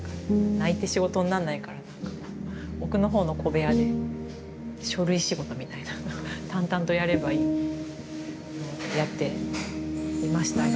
泣いて仕事になんないから奥の方の小部屋で書類仕事みたいな淡々とやればいいのをやっていましたが。